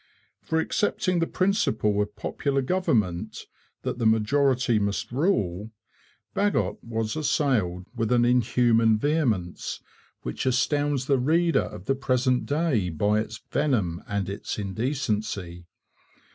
For accepting the principle of popular government, that the majority must rule, Bagot was assailed with an inhuman vehemence, which astounds the reader of the present day by its venom and its indecency.